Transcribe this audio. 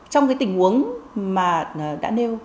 trong cái tình huống mà đã nêu